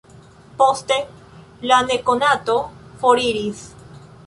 Poste, la nekonato foriris.